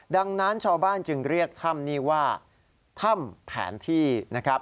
ดังนั้นชาวบ้านจึงเรียกถ้ำนี้ว่าถ้ำแผนที่นะครับ